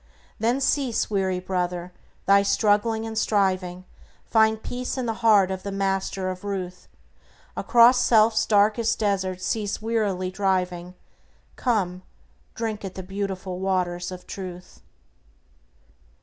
Then cease, weary brother, thy struggling and striving; Find peace in the heart of the Master of ruth. Across self's dark desert cease wearily driving; Come; drink at the beautiful waters of Truth.